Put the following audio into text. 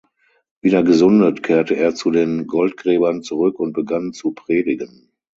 Wieder gesundet kehrte er zu den Goldgräbern zurück und begann zu predigen.